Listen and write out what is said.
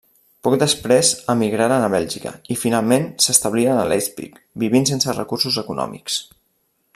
Poc després emigraren a Bèlgica i finalment s'establiren a Leipzig vivint sense recursos econòmics.